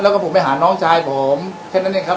แล้วก็ผมไปหาน้องชายผมแค่นั้นเองครับ